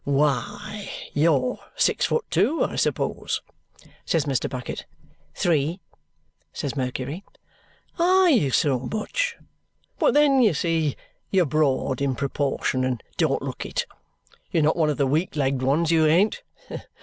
"Why, you're six foot two, I suppose?" says Mr. Bucket. "Three," says Mercury. "Are you so much? But then, you see, you're broad in proportion and don't look it. You're not one of the weak legged ones, you ain't.